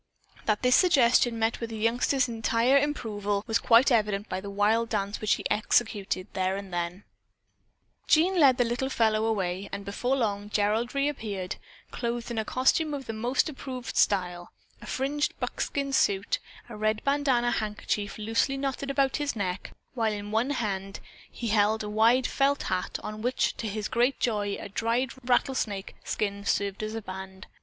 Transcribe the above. That this suggestion met with the youngster's entire approval was quite evident by the wild dance which he executed then and there. Jean led the little fellow away and before long Gerald reappeared, clothed in a costume of the most approved style, a fringed buckskin suit, a red bandana handkerchief loosely knotted about his neck, while in one hand he held a wide felt hat on which to his great joy a dried rattlesnake skin served as band.